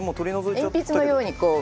鉛筆のようにこう。